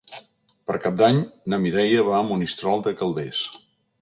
Per Cap d'Any na Mireia va a Monistrol de Calders.